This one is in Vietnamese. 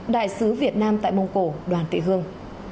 đại sứ việt nam tại mông cổ đoàn tị hương